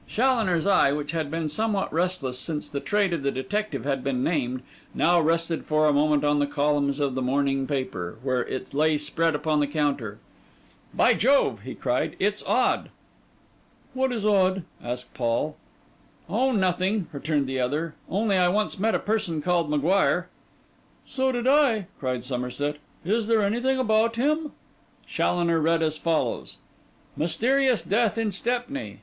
Challoner's eye, which had been somewhat restless since the trade of the detective had been named, now rested for a moment on the columns of the morning paper, where it lay spread upon the counter. 'By Jove,' he cried, 'that's odd!' 'What is odd?' asked Paul. 'Oh, nothing,' returned the other: 'only I once met a person called M'Guire.' 'So did I!' cried Somerset. 'Is there anything about him?' Challoner read as follows: 'Mysterious death in Stepney.